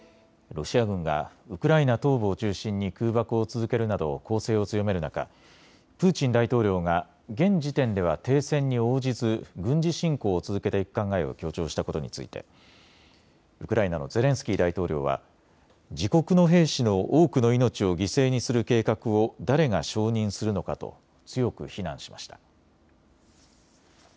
ロシア軍がウクライナ東部を中心に空爆を続けるなど攻勢を強める中、プーチン大統領が現時点では停戦に応じず軍事侵攻を続けていく考えを強調したことについてウクライナのゼレンスキー大統領は自国の兵士の多くの命を犠牲にする計画を誰が承認するのかと強く非難しました。